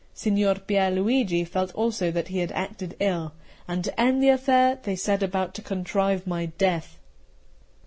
Signor Pier Luigi felt also that he had acted ill; and to end the affair, they set about to contrive my death.